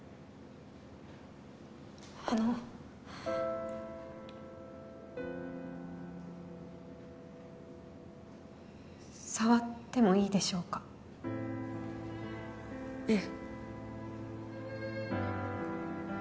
あの触ってもいいでしょうかええ